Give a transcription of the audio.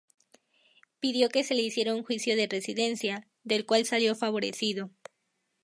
Pidió que se le hiciera un Juicio de Residencia, del cual salió favorecido.